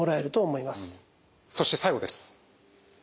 そして最後です。